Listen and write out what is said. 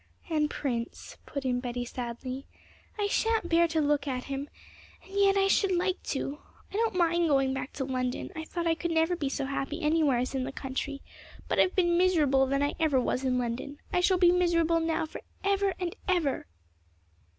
'And Prince,' put in Betty sadly. 'I shan't bear to look at him; and yet I should like to. I don't mind going back to London; I thought I could never be so happy anywhere as in the country, but I've been miserabler than I ever was in London. I shall be miserable now for ever and ever!'